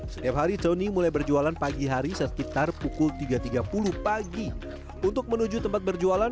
setiap hari tony mulai berjualan pagi hari sekitar pukul tiga tiga puluh pagi untuk menuju tempat berjualan